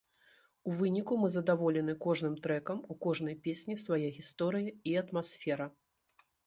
У выніку мы задаволены кожным трэкам, у кожнай песні свая гісторыя і атмасфера.